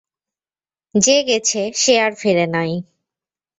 যে গেছে সে আর ফেরে নাই।